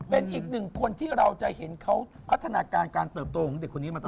เป็นอีกหนึ่งคนที่เราจะเห็นเขาพัฒนาการการเติบโตของเด็กคนนี้มาตลอด